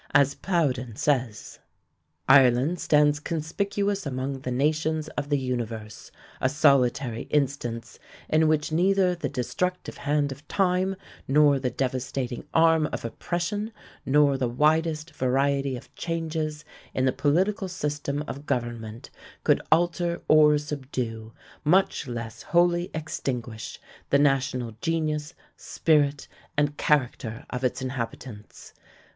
As Plowden says: "Ireland stands conspicuous among the nations of the universe, a solitary instance in which neither the destructive hand of time, nor the devastating arm of oppression, nor the widest variety of changes in the political system of government could alter or subdue, much less wholly extinguish, the national genius, spirit, and character of its inhabitants."